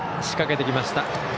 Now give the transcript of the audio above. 仕掛けてきました。